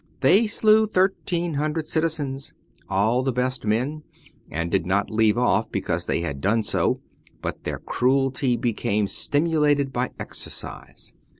they slew thirteen hundred citizens, all the best men, and did not leave off because they had done so, but their cruelty became stimulated by exercise.